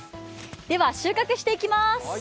では収穫していきます。